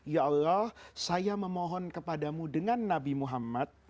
ya allah saya memohon kepadamu dengan nabi muhammad